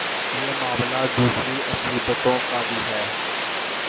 یہی معاملہ دوسری عصبیتوں کا بھی ہے۔